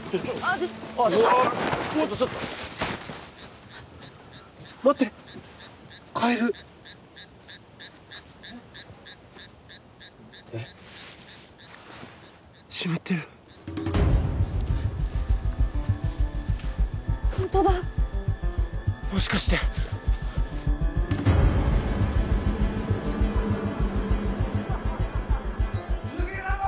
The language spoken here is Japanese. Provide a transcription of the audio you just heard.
ちょっとちょっとちょっと待ってカエルえっ湿ってるホントだもしかして抜けたぞ！